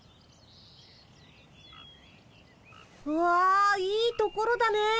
わあいいところだねえ。